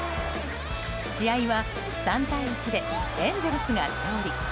試合は３対１でエンゼルスが勝利。